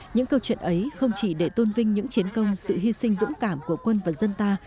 những câu chuyện ấy không chỉ để tôn vinh những chiến công sự hy sinh dũng cảm của quân và dân ta